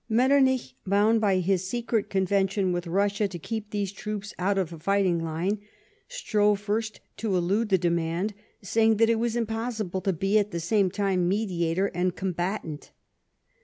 I\Ietternich, bound by his secret convention with Russia to keep these troops out of the fighting line, strove first to elude the demand, saying that it was impossible to be at the same time mediator and combatant.